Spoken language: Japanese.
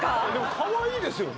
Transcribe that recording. かわいいですよね